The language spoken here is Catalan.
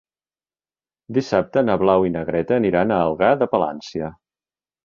Dissabte na Blau i na Greta aniran a Algar de Palància.